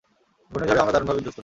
ঘূর্ণিঝড়েও আমরা দারুণভাবে বিধ্বস্ত।